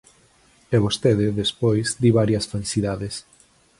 E vostede, despois, di varias falsidades.